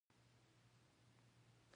د افغانستان په منظره کې هرات ښکاره ده.